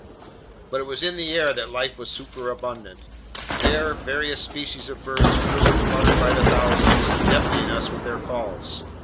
But it was in the air that life was superabundant. There various species of birds flew and fluttered by the thousands, deafening us with their calls.